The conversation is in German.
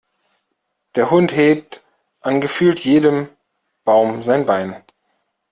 Der Hund hebt an gefühlt jedem Baum sein Bein.